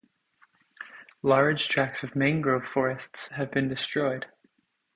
Large tracts of mangrove forests have been desroyed.